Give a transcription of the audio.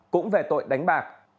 cũng về tội đánh bạc